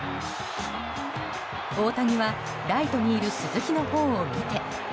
大谷は、ライトにいる鈴木のほうを見て。